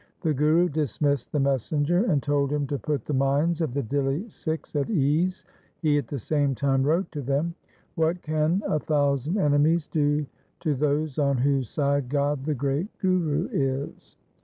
The Guru dismissed the messenger, and told him to put the minds of the Dihli Sikhs at ease. He at the same time wrote to them, 1 What can a thousand enemies do to those on whose side God the great Guru is